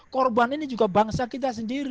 korban ini juga bangsa kita sendiri